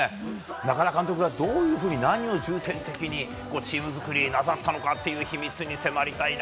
中田監督はどういうふうに何を重点的にチームづくりをなさったのかという秘密に迫りたいな。